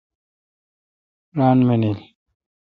ران منیل۔